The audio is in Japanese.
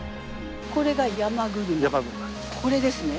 これですね。